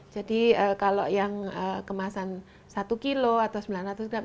jadi kalau yang kemasan satu kilo atau sembilan